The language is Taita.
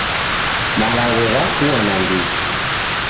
Malagho ghakua nandighi.